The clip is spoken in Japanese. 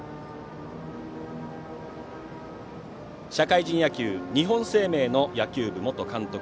社会人野球日本生命の野球部元監督